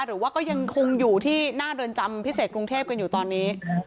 หรือว่าก็ยังคงอยู่ที่หน้าเรือนจำพิเศษกรุงเทพกันอยู่ตอนนี้